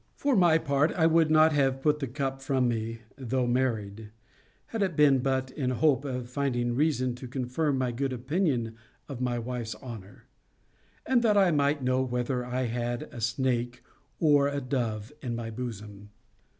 For my part, I would not have put the cup from me, though married, had it been but in hope of finding reason to confirm my good opinion of my wife's honour; and that I might know whether I had a snake or a dove in my bosom.